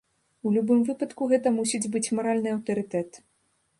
У любым выпадку гэта мусіць быць маральны аўтарытэт.